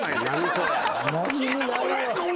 それ。